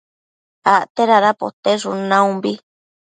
acte dada poteshun naumbi